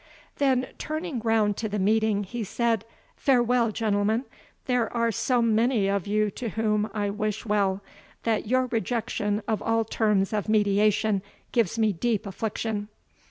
Then turning round to the meeting, he said, "Farewell, gentlemen; there are so many of you to whom I wish well, that your rejection of all terms of mediation gives me deep affliction.